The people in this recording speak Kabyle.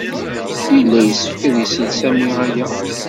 Yella yessefk ad isel Sami aya.